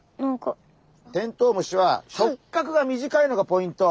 テントウムシは触角が短いのがポイント。